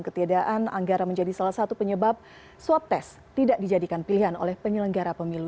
ketiadaan anggaran menjadi salah satu penyebab swab test tidak dijadikan pilihan oleh penyelenggara pemilu